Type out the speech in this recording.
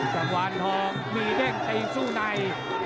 กลางวานทองมีเด้งตีสู้ใน